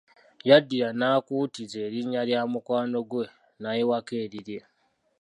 Yaddira n’akuutiza erinnya lya mukwano gwe naayiwako erirye.